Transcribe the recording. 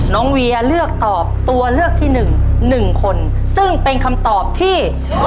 เวียเลือกตอบตัวเลือกที่หนึ่งหนึ่งคนซึ่งเป็นคำตอบที่